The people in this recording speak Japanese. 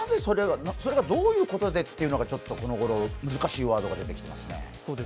それがどういうことでというのが、ちょっとこのごろ難しいワードが出てきてますね。